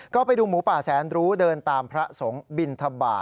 ก็ไปดูหมูป่าแสนรู้เดินตามพระสงฆ์บินทบาท